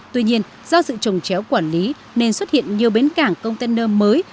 tuy nhiên do sự trồng chéo quản lý nên xuất hiện nhiều bến cảng container mới